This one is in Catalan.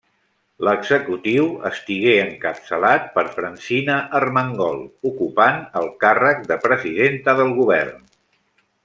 L'executiu estigué encapçalat per Francina Armengol ocupant el càrrec de Presidenta del Govern.